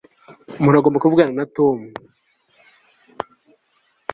umuntu agomba kuvugana na tom